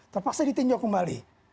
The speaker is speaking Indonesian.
terpaksa ditinjau kembali